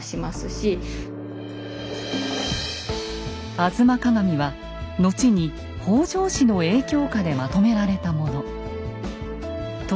「吾妻鏡」は後に北条氏の影響下でまとめられたもの。